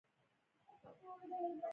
ایا پوهیږئ چې اوبه څومره مهمې دي؟